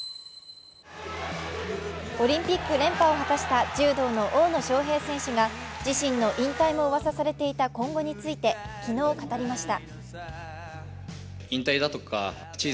オリンピック連覇を果たした柔道の大野将平選手が自身の引退もうわさされていた今後について昨日、語りました。